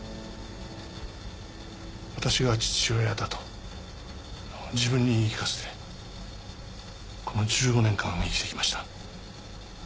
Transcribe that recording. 私が父親だと自分に言い聞かせてこの１５年間生きてきました。